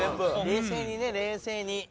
冷静にね冷静に。